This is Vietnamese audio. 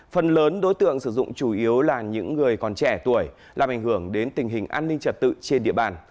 phần lớn đối tượng sử dụng chủ yếu là những người còn trẻ tuổi làm ảnh hưởng đến tình hình an ninh trật tự trên địa bàn